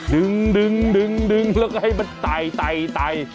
ดึงแล้วก็ให้มันตาย